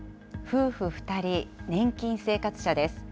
夫婦２人年金生活者です。